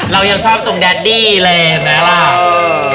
เรายังชอบทรงแดดดี้เลยเห็นไหมล่ะ